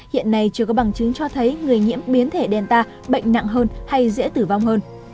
hiện nay chưa có bằng chứng cho thấy người nhiễm biến thể đen ta bệnh nặng hơn hay dễ tử vong hơn